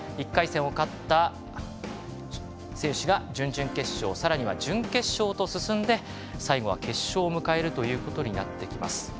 １回戦を勝った選手が準々決勝さらには準決勝と進んで最後は決勝を迎えることになっていきます。